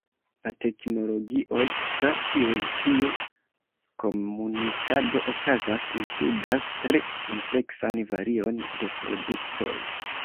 La teknologioj tra kiuj tiu komunikado okazas inkludas tre ampleksan varion de produktoj.